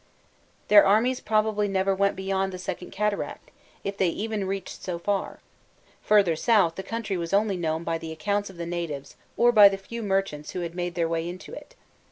Their armies probably never went beyond the second cataract, if they even reached so far: further south the country was only known by the accounts of the natives or by the few merchants who had made their way into it.